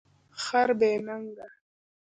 خر بی نګه